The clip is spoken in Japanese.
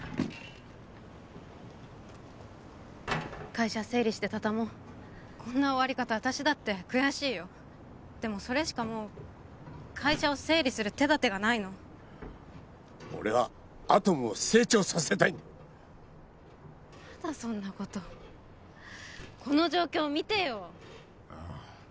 会社整理して畳もうこんな終わり方私だって悔しいよでもそれしかもう会社を整理する手だてがないの俺はアトムを成長させたいんだまだそんなことこの状況見てよああ